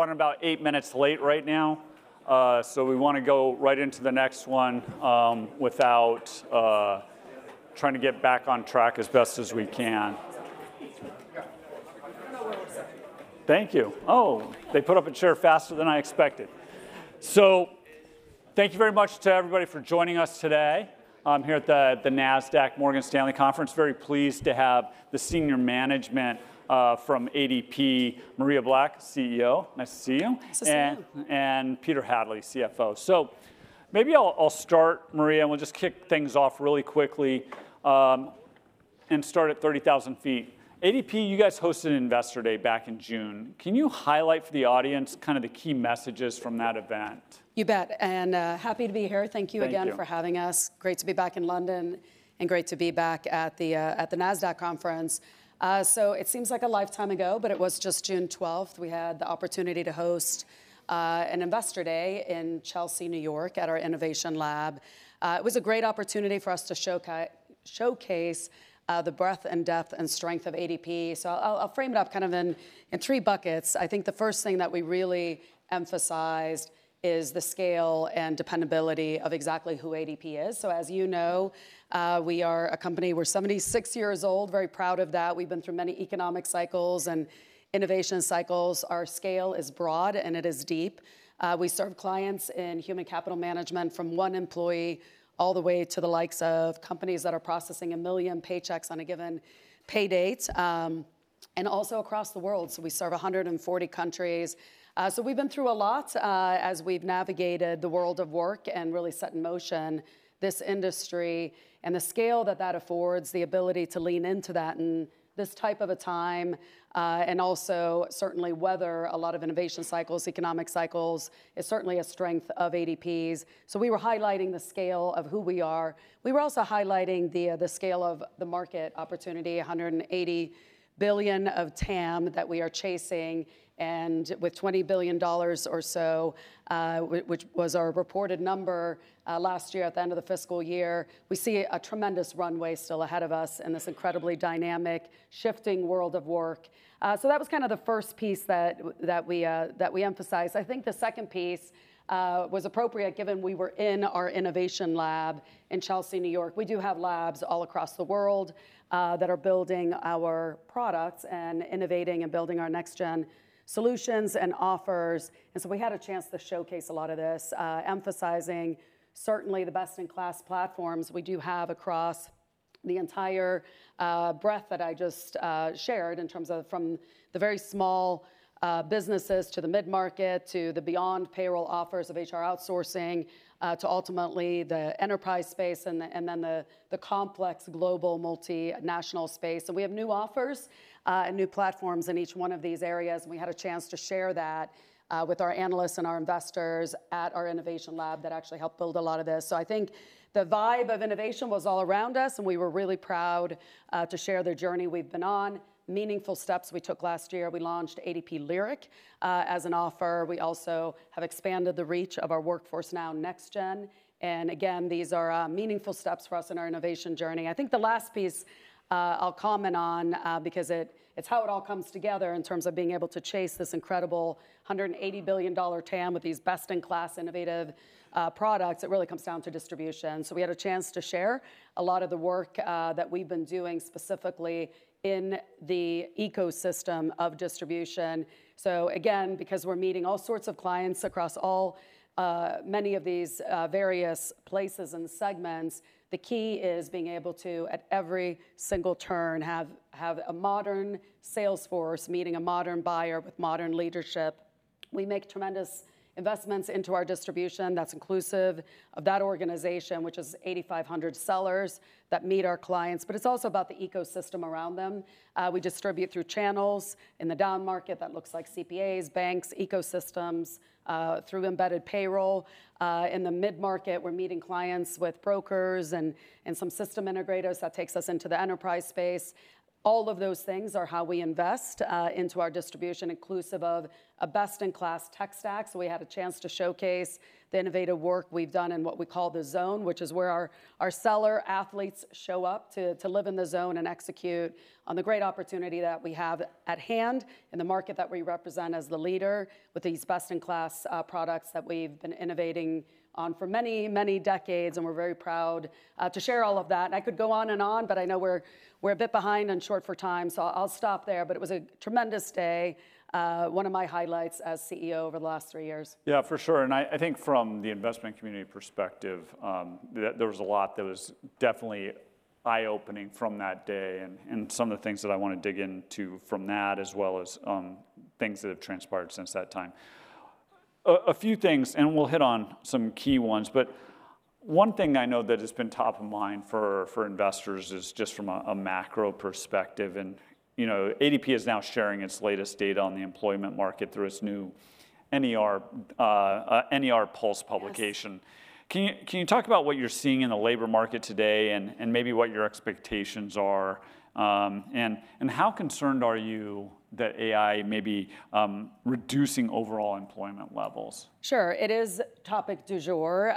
We're running about eight minutes late right now, so we want to go right into the next one without trying to get back on track as best as we can. Thank you. Oh, they put up a chair faster than I expected. So thank you very much to everybody for joining us today here at the Morgan Stanley European Technology, Media & Telecom Conference. Very pleased to have the senior management from ADP, Maria Black, CEO. Nice to see you. Nice to see you. Don McGuire, CFO. Maybe I'll start, Maria, and we'll just kick things off really quickly and start at 30,000 feet. ADP, you guys hosted Investor Day back in June. Can you highlight for the audience kind of the key messages from that event? You bet. And happy to be here. Thank you again for having us. Great to be back in London and great to be back at the Morgan Stanley Conference. So it seems like a lifetime ago, but it was just June 12th. We had the opportunity to host an Investor Day in Chelsea, New York, at our Innovation Lab. It was a great opportunity for us to showcase the breadth and depth and strength of ADP. So I'll frame it up kind of in three buckets. I think the first thing that we really emphasized is the scale and dependability of exactly who ADP is. So as you know, we are a company. We're 76 years old, very proud of that. We've been through many economic cycles and innovation cycles. Our scale is broad and it is deep. We serve clients in human capital management from one employee all the way to the likes of companies that are processing a million paychecks on a given pay date and also across the world. So we serve 140 countries. So we've been through a lot as we've navigated the world of work and really set in motion this industry and the scale that that affords, the ability to lean into that in this type of a time and also certainly weather a lot of innovation cycles, economic cycles is certainly a strength of ADP's. So we were highlighting the scale of who we are. We were also highlighting the scale of the market opportunity, $180 billion of TAM that we are chasing. And with $20 billion or so, which was our reported number last year at the end of the fiscal year, we see a tremendous runway still ahead of us in this incredibly dynamic, shifting world of work. So that was kind of the first piece that we emphasized. I think the second piece was appropriate given we were in our Innovation Lab in Chelsea, New York. We do have labs all across the world that are building our products and innovating and building our next-gen solutions and offers. And so we had a chance to showcase a lot of this, emphasizing certainly the best-in-class platforms we do have across the entire breadth that I just shared in terms of from the very small businesses to the mid-market to the beyond payroll offers of HR outsourcing to ultimately the enterprise space and then the complex global multinational space. And we have new offers and new platforms in each one of these areas. And we had a chance to share that with our analysts and our investors at our Innovation Lab that actually helped build a lot of this. So I think the vibe of innovation was all around us and we were really proud to share the journey we've been on. Meaningful steps we took last year. We launched ADP Lyric as an offer. We also have expanded the reach of our Workforce Now Next Gen. And again, these are meaningful steps for us in our innovation journey. I think the last piece I'll comment on, because it's how it all comes together in terms of being able to chase this incredible $180 billion TAM with these best-in-class innovative products. It really comes down to distribution. So we had a chance to share a lot of the work that we've been doing specifically in the ecosystem of distribution. So again, because we're meeting all sorts of clients across many of these various places and segments, the key is being able to at every single turn have a modern sales force meeting a modern buyer with modern leadership. We make tremendous investments into our distribution that's inclusive of that organization, which is 8,500 sellers that meet our clients, but it's also about the ecosystem around them. We distribute through channels in the down market that looks like CPAs, banks, ecosystems through embedded payroll. In the mid-market, we're meeting clients with brokers and some system integrators that takes us into the enterprise space. All of those things are how we invest into our distribution, inclusive of a best-in-class tech stack. So we had a chance to showcase the innovative work we've done in what we call The Zone, which is where our seller athletes show up to live in The Zone and execute on the great opportunity that we have at hand in the market that we represent as the leader with these best-in-class products that we've been innovating on for many, many decades. And we're very proud to share all of that. And I could go on and on, but I know we're a bit behind and short for time, so I'll stop there. But it was a tremendous day, one of my highlights as CEO over the last three years. Yeah, for sure. And I think from the investment community perspective, there was a lot that was definitely eye-opening from that day and some of the things that I want to dig into from that as well as things that have transpired since that time. A few things, and we'll hit on some key ones. But one thing I know that has been top of mind for investors is just from a macro perspective. And ADP is now sharing its latest data on the employment market through its new NER Pulse publication. Can you talk about what you're seeing in the labor market today and maybe what your expectations are? And how concerned are you that AI may be reducing overall employment levels? Sure. It is the topic du jour.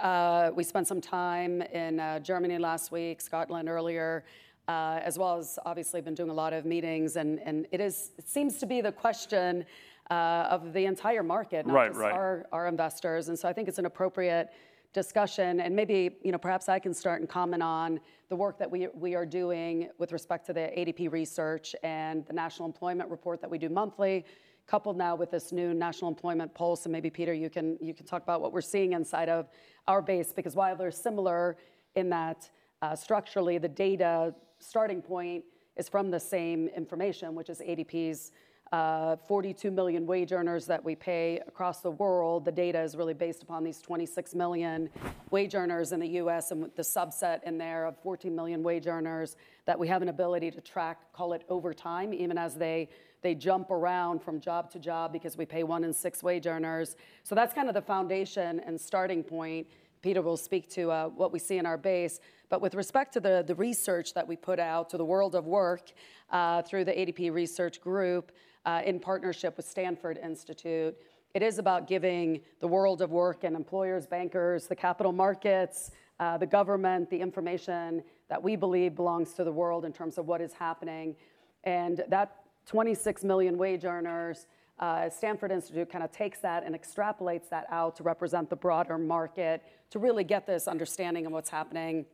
We spent some time in Germany last week, Scotland earlier, as well as obviously been doing a lot of meetings. It seems to be the question of the entire market, not just our investors. So I think it's an appropriate discussion. Maybe perhaps I can start and comment on the work that we are doing with respect to the ADP research and the National Employment Report that we do monthly, coupled now with this new National Employment Report Pulse. Maybe Don McGuire, you can talk about what we're seeing inside of our base, because while they're similar in that structurally, the data starting point is from the same information, which is ADP's 42 million wage earners that we pay across the world. The data is really based upon these 26 million wage earners in the U.S. and the subset in there of 14 million wage earners that we have an ability to track, call it over time, even as they jump around from job to job because we pay one in six wage earners. So that's kind of the foundation and starting point. Don McGuire will speak to what we see in our base. But with respect to the research that we put out to the world of work through the ADP research group in partnership with Stanford Digital Economy Lab, it is about giving the world of work and employers, bankers, the capital markets, the government, the information that we believe belongs to the world in terms of what is happening. That 26 million wage earners, Stanford Digital Economy Lab kind of takes that and extrapolates that out to represent the broader market to really get this understanding of what's happening.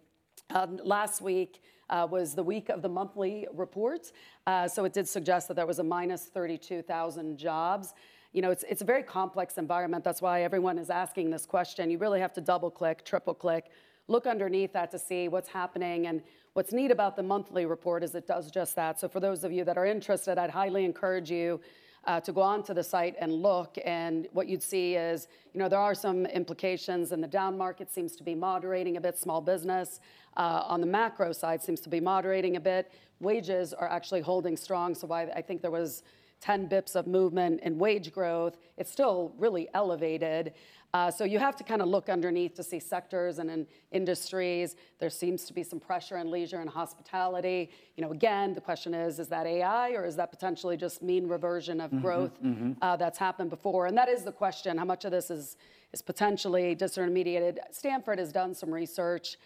Last week was the week of the monthly report. It did suggest that there was a -32,000 jobs. It's a very complex environment. That's why everyone is asking this question. You really have to double-click, triple-click, look underneath that to see what's happening. What's neat about the monthly report is it does just that. For those of you that are interested, I'd highly encourage you to go on to the site and look. What you'd see is there are some implications in the down market. It seems to be moderating a bit. Small business on the macro side seems to be moderating a bit. Wages are actually holding strong. I think there was 10 basis points of movement in wage growth. It's still really elevated. You have to kind of look underneath to see sectors and industries. There seems to be some pressure on leisure and hospitality. Again, the question is, is that AI or is that potentially just mean reversion of growth that's happened before? And that is the question. How much of this is potentially disintermediated? Stanford has done some research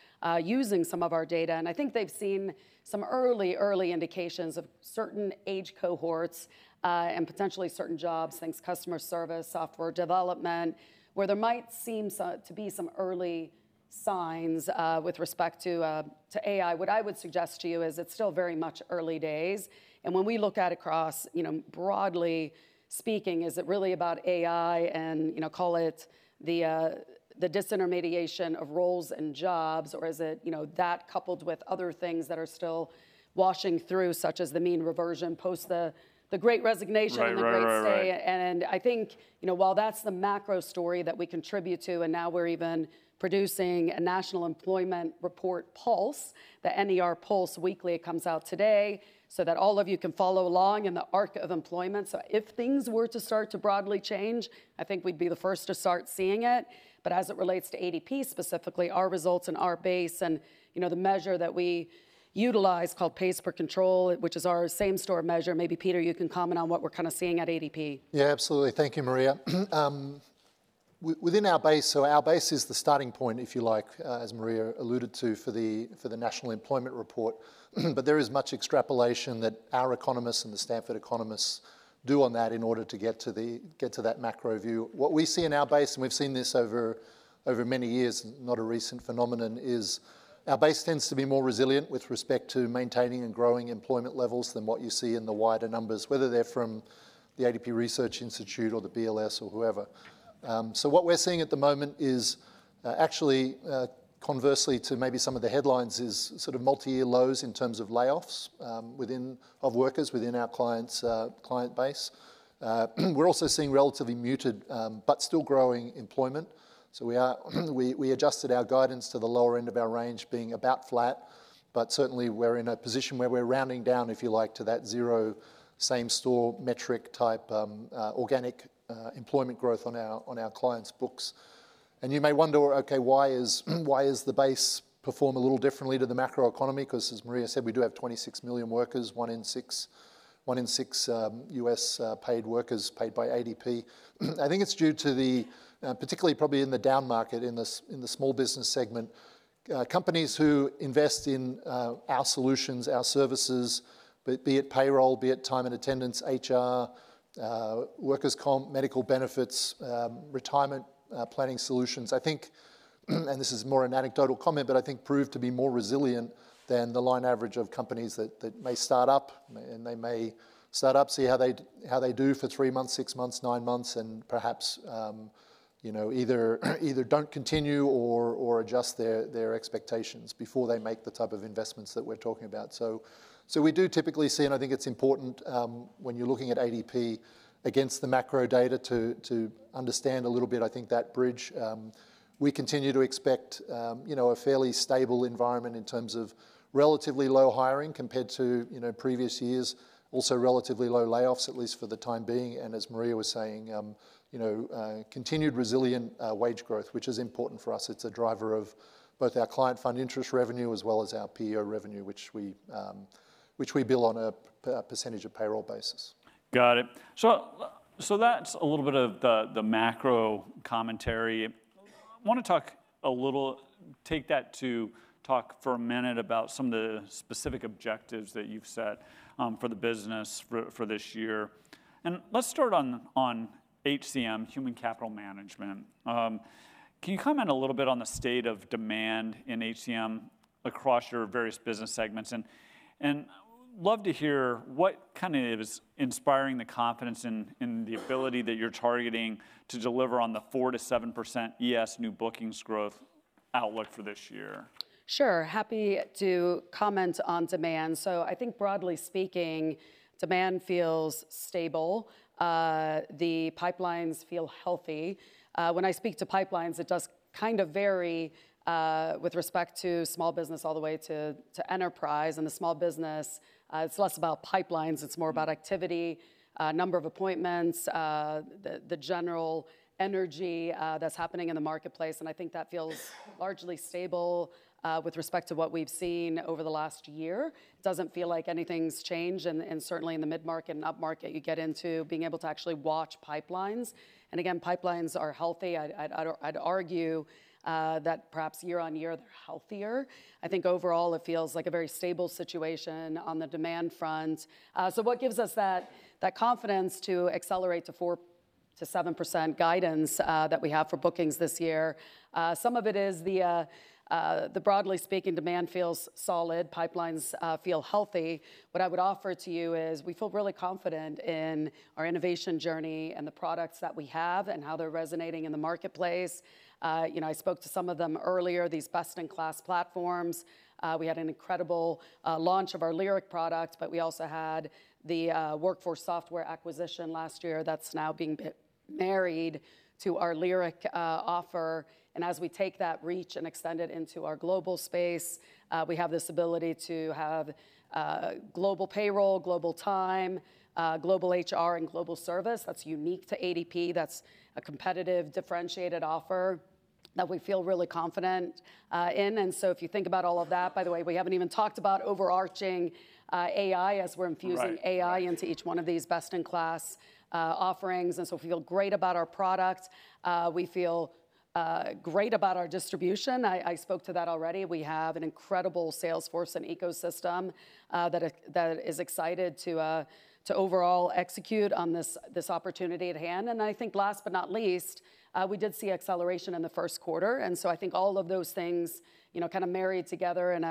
using some of our data. And I think they've seen some early, early indications of certain age cohorts and potentially certain jobs, things customer service, software development, where there might seem to be some early signs with respect to AI. What I would suggest to you is it's still very much early days. When we look at across broadly speaking, is it really about AI and call it the disintermediation of roles and jobs, or is it that coupled with other things that are still washing through, such as the mean reversion post the Great Resignation? The Great Stay. And I think while that's the macro story that we contribute to, and now we're even producing a National Employment Report Pulse, the NER Pulse weekly. It comes out today so that all of you can follow along in the arc of employment. So if things were to start to broadly change, I think we'd be the first to start seeing it. But as it relates to ADP specifically, our results in our base and the measure that we utilize called pays per control, which is our same-store measure. Maybe Don McGuire, you can comment on what we're kind of seeing at ADP. Yeah, absolutely. Thank you, Maria. Within our base, so our base is the starting point, if you like, as Maria alluded to for the National Employment Report. But there is much extrapolation that our economists and the Stanford economists do on that in order to get to that macro view. What we see in our base, and we've seen this over many years, not a recent phenomenon, is our base tends to be more resilient with respect to maintaining and growing employment levels than what you see in the wider numbers, whether they're from the ADP Research Institute or the BLS or whoever. So what we're seeing at the moment is actually conversely to maybe some of the headlines is sort of multi-year lows in terms of layoffs of workers within our client base. We're also seeing relatively muted but still growing employment. So we adjusted our guidance to the lower end of our range being about flat, but certainly we're in a position where we're rounding down, if you like, to that zero same-store metric type organic employment growth on our clients' books. And you may wonder, okay, why does the base perform a little differently to the macro economy? Because as Maria said, we do have 26 million workers, one in six U.S. paid workers paid by ADP. I think it's due to the particularly, probably in the down market in the small business segment, companies who invest in our solutions, our services, be it payroll, be it time and attendance, HR, workers' comp, medical benefits, retirement planning solutions. I think, and this is more an anecdotal comment, but I think proved to be more resilient than the line average of companies that may start up, see how they do for three months, six months, nine months, and perhaps either don't continue or adjust their expectations before they make the type of investments that we're talking about. So we do typically see, and I think it's important when you're looking at ADP against the macro data to understand a little bit, I think that bridge. We continue to expect a fairly stable environment in terms of relatively low hiring compared to previous years, also relatively low layoffs, at least for the time being, and as Maria was saying, continued resilient wage growth, which is important for us. It's a driver of both our client fund interest revenue as well as our PEO revenue, which we bill on a percentage of payroll basis. Got it. So that's a little bit of the macro commentary. I want to take that to talk for a minute about some of the specific objectives that you've set for the business for this year. And let's start on HCM, Human Capital Management. Can you comment a little bit on the state of demand in HCM across your various business segments? And I'd love to hear what kind of is inspiring the confidence in the ability that you're targeting to deliver on the 4% to 7% ES new bookings growth outlook for this year? Sure. Happy to comment on demand. So I think broadly speaking, demand feels stable. The pipelines feel healthy. When I speak to pipelines, it does kind of vary with respect to small business all the way to enterprise. And the small business, it's less about pipelines. It's more about activity, number of appointments, the general energy that's happening in the marketplace. And I think that feels largely stable with respect to what we've seen over the last year. It doesn't feel like anything's changed. And certainly in the mid-market and up market, you get into being able to actually watch pipelines. And again, pipelines are healthy. I'd argue that perhaps year on year, they're healthier. I think overall, it feels like a very stable situation on the demand front. So what gives us that confidence to accelerate to 4% to 7% guidance that we have for bookings this year? Some of it is, broadly speaking, demand feels solid. Pipelines feel healthy. What I would offer to you is we feel really confident in our innovation journey and the products that we have and how they're resonating in the marketplace. I spoke to some of them earlier, these best-in-class platforms. We had an incredible launch of our Lyric product, but we also had the WorkForce Software acquisition last year that's now being married to our Lyric offer. And as we take that reach and extend it into our global space, we have this ability to have global payroll, global time, global HR, and global service. That's unique to ADP. That's a competitive differentiated offer that we feel really confident in. And so, if you think about all of that, by the way, we haven't even talked about overarching AI as we're infusing AI into each one of these best-in-class offerings. And so we feel great about our product. We feel great about our distribution. I spoke to that already. We have an incredible sales force and ecosystem that is excited to overall execute on this opportunity at hand. And I think last but not least, we did see acceleration in the first quarter. And so I think all of those things kind of married together in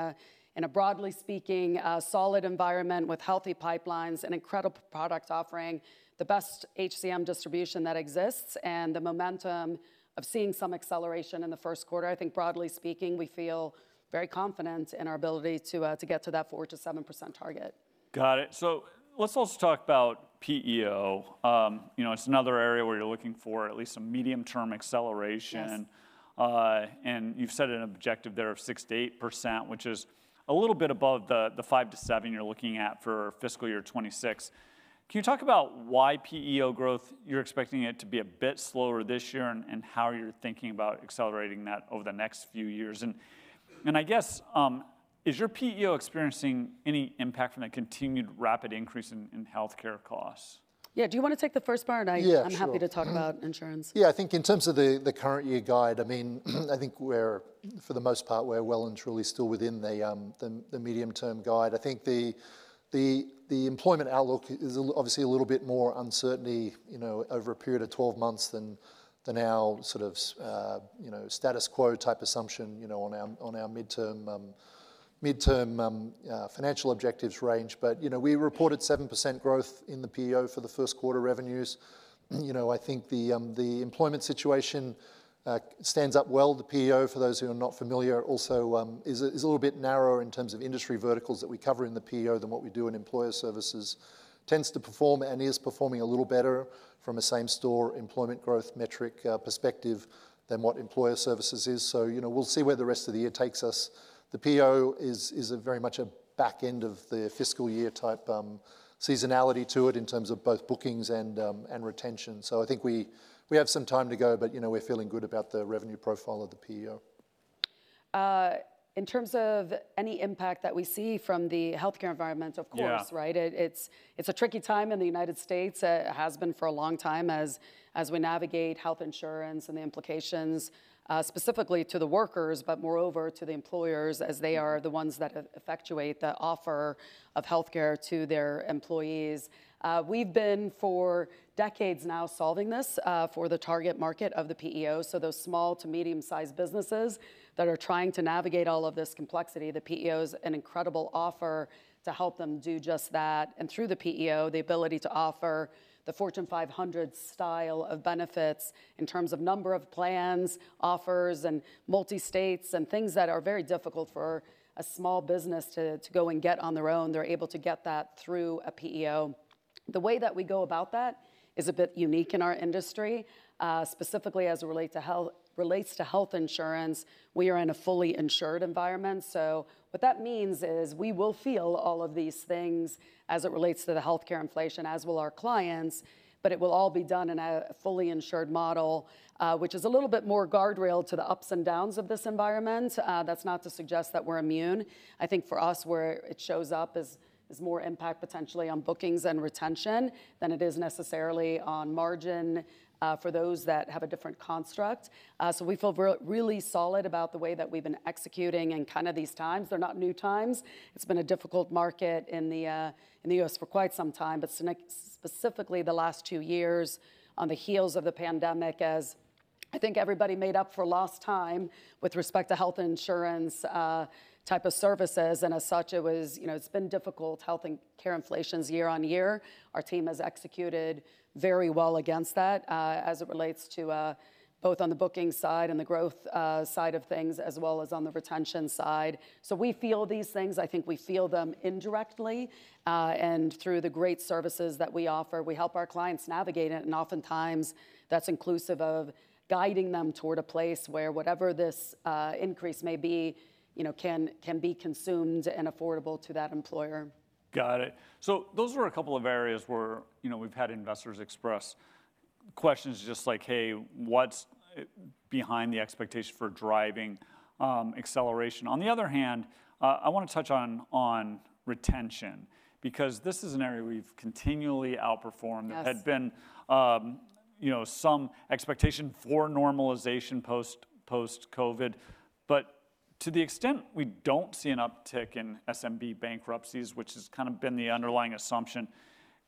a broadly speaking solid environment with healthy pipelines and incredible product offering, the best HCM distribution that exists, and the momentum of seeing some acceleration in the first quarter. I think broadly speaking, we feel very confident in our ability to get to that 4% to 7% target. Got it. So let's also talk about PEO. It's another area where you're looking for at least a medium-term acceleration. And you've set an objective there of 6% to 8%, which is a little bit above the 5% to 7% you're looking at for fiscal year 2026. Can you talk about why PEO growth, you're expecting it to be a bit slower this year and how you're thinking about accelerating that over the next few years? And I guess, is your PEO experiencing any impact from the continued rapid increase in healthcare costs? Yeah. Do you want to take the first part? I'm happy to talk about insurance. Yeah. I think in terms of the current year guide, I mean, I think for the most part, we're well and truly still within the medium-term guide. I think the employment outlook is obviously a little bit more uncertainty over a period of 12 months than our sort of status quo type assumption on our mid-term financial objectives range. But we reported 7% growth in the PEO for the first quarter revenues. I think the employment situation stands up well. The PEO, for those who are not familiar, also is a little bit narrower in terms of industry verticals that we cover in the PEO than what we do in Employer Services. Tends to perform and is performing a little better from a same-store employment growth metric perspective than what Employer Services is. So we'll see where the rest of the year takes us. The PEO is very much a back end of the fiscal year type seasonality to it in terms of both bookings and retention. So I think we have some time to go, but we're feeling good about the revenue profile of the PEO. In terms of any impact that we see from the healthcare environment, of course, right? It's a tricky time in the United States. It has been for a long time as we navigate health insurance and the implications specifically to the workers, but moreover to the employers as they are the ones that effectuate the offer of healthcare to their employees. We've been for decades now solving this for the target market of the PEO. So those small to medium-sized businesses that are trying to navigate all of this complexity, the PEO is an incredible offer to help them do just that. And through the PEO, the ability to offer the Fortune 500 style of benefits in terms of number of plans, offers, and multi-states and things that are very difficult for a small business to go and get on their own, they're able to get that through a PEO. The way that we go about that is a bit unique in our industry, specifically as it relates to health insurance. We are in a fully insured environment. So what that means is we will feel all of these things as it relates to the healthcare inflation, as will our clients, but it will all be done in a fully insured model, which is a little bit more guardrailed to the ups and downs of this environment. That's not to suggest that we're immune. I think for us, where it shows up is more impact potentially on bookings and retention than it is necessarily on margin for those that have a different construct. So we feel really solid about the way that we've been executing in kind of these times. They're not new times. It's been a difficult market in the U.S. for quite some time, but specifically the last two years on the heels of the pandemic as I think everybody made up for lost time with respect to health insurance type of services, and as such, it's been difficult. Healthcare inflation's year on year. Our team has executed very well against that as it relates to both on the booking side and the growth side of things, as well as on the retention side, so we feel these things. I think we feel them indirectly and through the great services that we offer. We help our clients navigate it. And oftentimes, that's inclusive of guiding them toward a place where whatever this increase may be can be consumed and affordable to that employer. Got it. So those were a couple of areas where we've had investors express questions just like, "Hey, what's behind the expectation for driving acceleration?" On the other hand, I want to touch on retention because this is an area we've continually outperformed. There had been some expectation for normalization post-COVID. But to the extent we don't see an uptick in SMB bankruptcies, which has kind of been the underlying assumption,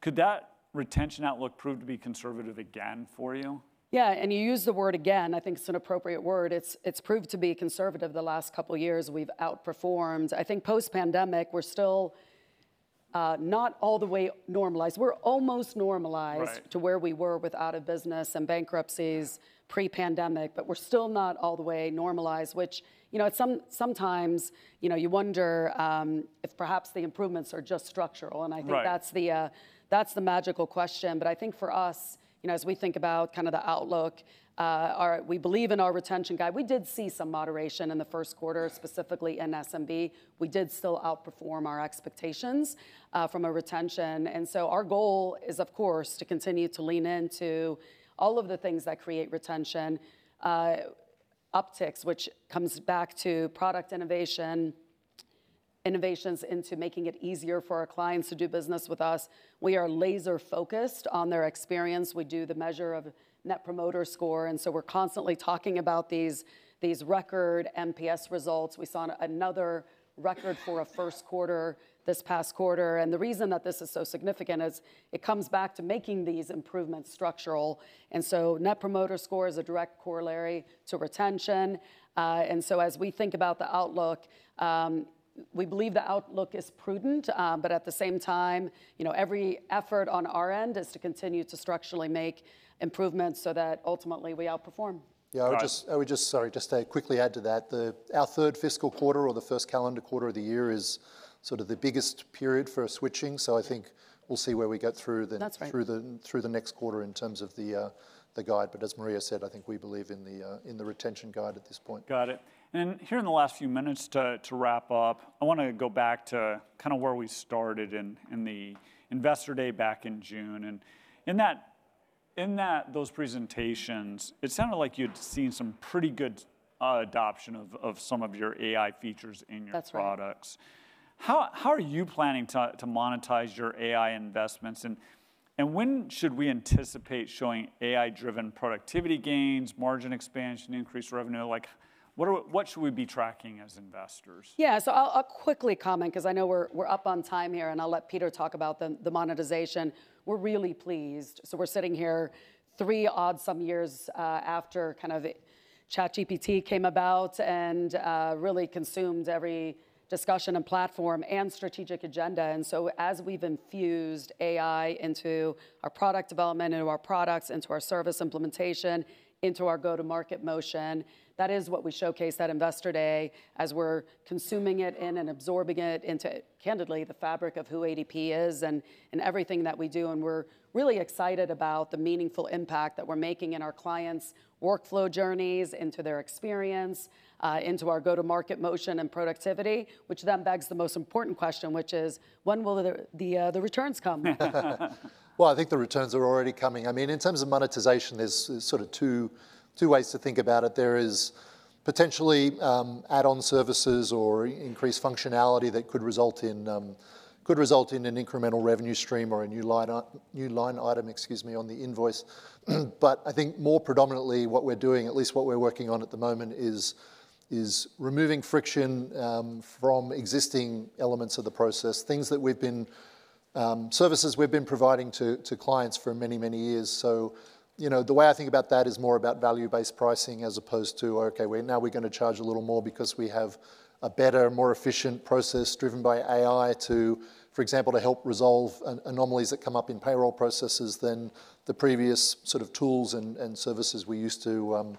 could that retention outlook prove to be conservative again for you? Yeah. And you use the word again. I think it's an appropriate word. It's proved to be conservative the last couple of years. We've outperformed. I think post-pandemic, we're still not all the way normalized. We're almost normalized to where we were with out-of-business and bankruptcies pre-pandemic, but we're still not all the way normalized, which sometimes you wonder if perhaps the improvements are just structural. And I think that's the magical question. But I think for us, as we think about kind of the outlook, we believe in our retention guide. We did see some moderation in the first quarter, specifically in SMB. We did still outperform our expectations from a retention. And so our goal is, of course, to continue to lean into all of the things that create retention upticks, which comes back to product innovations, innovations into making it easier for our clients to do business with us. We are laser-focused on their experience. We do the measure of Net Promoter Score. And so we're constantly talking about these record NPS results. We saw another record for a first quarter this past quarter. And the reason that this is so significant is it comes back to making these improvements structural. And so Net Promoter Score is a direct corollary to retention. And so as we think about the outlook, we believe the outlook is prudent. But at the same time, every effort on our end is to continue to structurally make improvements so that ultimately we outperform. Yeah. I would just, sorry, just to quickly add to that, our third fiscal quarter or the first calendar quarter of the year is sort of the biggest period for switching. So I think we'll see where we get through the next quarter in terms of the guide. But as Maria said, I think we believe in the retention guide at this point. Got it. And here in the last few minutes to wrap up, I want to go back to kind of where we started in the Investor Day back in June. And in those presentations, it sounded like you'd seen some pretty good adoption of some of your AI features in your products. How are you planning to monetize your AI investments? And when should we anticipate showing AI-driven productivity gains, margin expansion, increased revenue? What should we be tracking as investors? Yeah. So I'll quickly comment because I know we're up on time here, and I'll let Don McGuire talk about the monetization. We're really pleased. So we're sitting here three or so years after kind of ChatGPT came about and really consumed every discussion and platform and strategic agenda. And so as we've infused AI into our product development, into our products, into our service implementation, into our go-to-market motion, that is what we showcase at Investor Day as we're consuming it in and absorbing it into, candidly, the fabric of who ADP is and everything that we do. And we're really excited about the meaningful impact that we're making in our clients' workflow journeys, into their experience, into our go-to-market motion and productivity, which then begs the most important question, which is, when will the returns come? I think the returns are already coming. I mean, in terms of monetization, there's sort of two ways to think about it. There is potentially add-on services or increased functionality that could result in an incremental revenue stream or a new line item on the invoice. But I think more predominantly what we're doing, at least what we're working on at the moment, is removing friction from existing elements of the process, things, services that we've been providing to clients for many, many years. So the way I think about that is more about value-based pricing as opposed to, okay, now we're going to charge a little more because we have a better, more efficient process driven by AI, for example, to help resolve anomalies that come up in payroll processes than the previous sort of tools and services we used to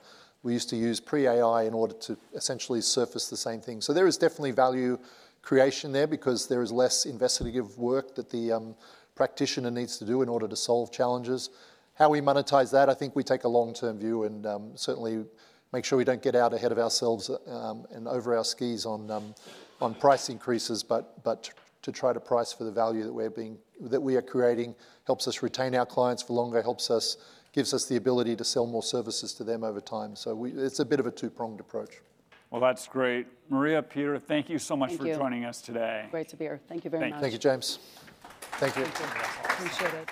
use pre-AI in order to essentially surface the same thing. So there is definitely value creation there because there is less investigative work that the practitioner needs to do in order to solve challenges. How we monetize that, I think we take a long-term view and certainly make sure we don't get out ahead of ourselves and over our skis on price increases. But to try to price for the value that we are creating helps us retain our clients for longer, gives us the ability to sell more services to them over time. So it's a bit of a two-pronged approach. Well, that's great. Maria, Don McGuire, thank you so much for joining us today. Great to be here. Thank you very much. Thank you, James. Thank you. Appreciate it.